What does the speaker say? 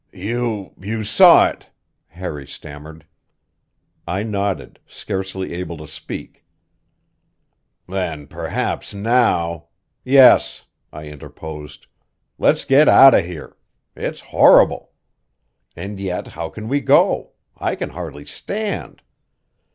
"You you saw it " Harry stammered. I nodded, scarcely able to speak. "Then perhaps now " "Yes," I interposed. "Let's get out of here. It's horrible. And yet how can we go? I can hardly stand."